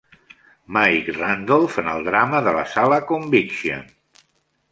Mike Randolf en el drama de la sala "Conviction".